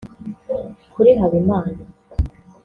Kuri Habimana